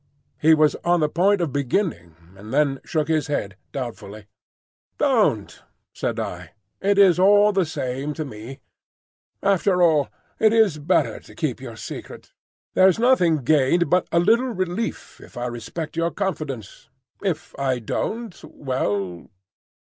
He was on the point of beginning, and then shook his head, doubtfully. "Don't," said I. "It is all the same to me. After all, it is better to keep your secret. There's nothing gained but a little relief if I respect your confidence. If I don't—well?"